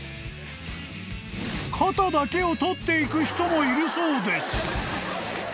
［肩だけを撮っていく人もいるそうです］